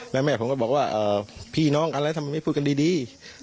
แล้วแม่ผมก็บอกว่าพี่น้องอะไรทำไมไม่พูดกันดี